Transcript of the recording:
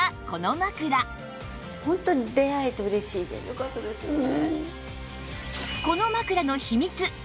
よかったですよね。